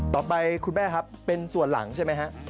ต่อไปคุณแม่ครับเป็นส่วนหลังใช่ไหมฮะ